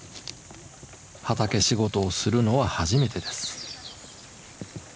畑仕事をするのは初めてです。